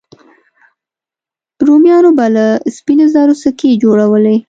رومیانو به له سپینو زرو سکې جوړولې